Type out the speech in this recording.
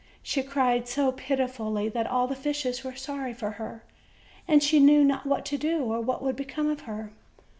She cried so pitifully that all the fishes were sorry for her: she knew not what to do or what would become of her.